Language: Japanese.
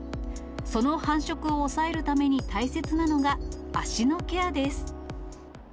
その繁殖を抑えるために大切なのが、足のケアです。